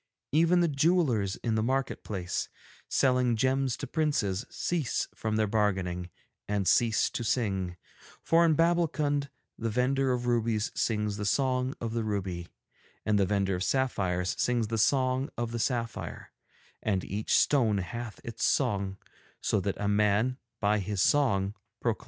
Even the jewellers in the market place, selling gems to princes, cease from their bargaining and cease to sing; for in Babbulkund the vendor of rubies sings the song of the ruby, and the vendor of sapphires sings the song of the sapphire, and each stone hath its song, so that a man, by his song, proclaims and makes known his wares.